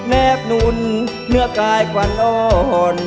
แนบนุ่นเนื้อกายกว่านอน